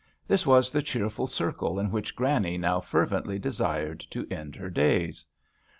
This was the cheerful circle in which Granny now fer vently desired to end her days.